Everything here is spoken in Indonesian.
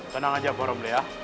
tenang aja boromli ya